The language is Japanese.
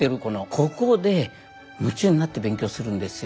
ここで夢中になって勉強するんですよ